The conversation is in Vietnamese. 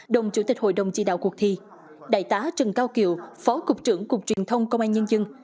đồng chủ tịch hội đồng chỉ đạo cuộc thi đại tá trần cao kiều phó cục trưởng cục truyền thông công an nhân dân